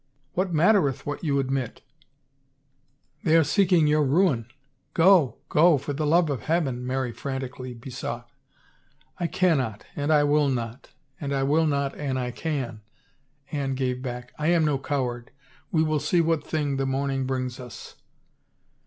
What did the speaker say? What mattereth what you admit! They are^seeking 23 323 THE FAVOR OF KINGS your ruin — go, go, for the love of heaven," Mary fran tically besought. " I cannot and I will not — and I will not an I can," Anne gave back. " I am no coward. We will see what thing the morning brings us."